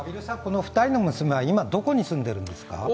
この２人の娘は今どこに住んでいるんですか？